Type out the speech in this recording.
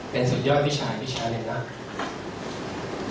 เป็นสุดยอดวิชาวิชาเลยนะ